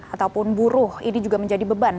ataupun buruh ini juga menjadi beban